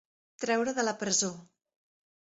Treure de la presó.